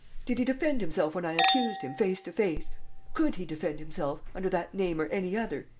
Did he defend himself when I accused him, face to face? Could he defend himself, under that name or any other?